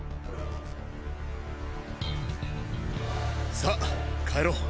さァ帰ろう。